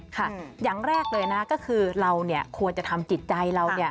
อย่างแรกเลยนะก็คือเราเนี่ยควรจะทำจิตใจเราเนี่ย